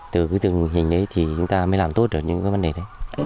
từ cái tình hình đấy thì chúng ta mới làm tốt được những cái vấn đề đấy